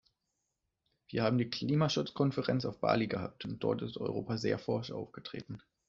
Wir haben die Klimaschutzkonferenz auf Bali gehabt, und dort ist Europa sehr forsch aufgetreten.